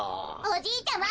おじいちゃま。